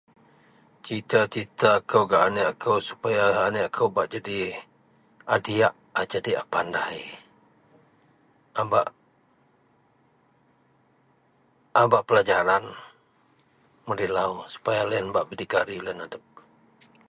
cita- cita akou gak aneak kou supaya anaek kou bak jadi a diak, a jadi a pandai a bak a bak pelajaran mudei lau, supaya loyien bak berdikari loyien adep